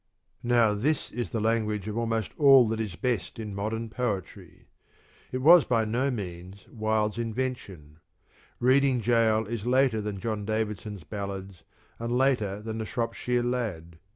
Now this is the language of almost all that is best in modern poetry. It was by no means Wilde's inven tion: " Reading Gaol " is later than John Davidson's ballads, and later than the " Shropshire Lad."